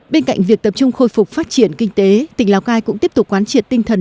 bên cạnh việc tập trung khôi phục phát triển kinh tế tỉnh lào cai cũng tiếp tục quán triệt tinh thần